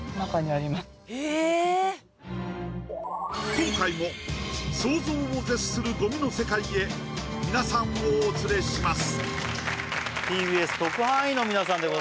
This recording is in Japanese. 今回のも想像を絶するごみの世界へ皆さんをお連れします。